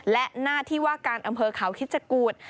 และหน้าที่ว่าการอำเภอเขาคิดจกูธ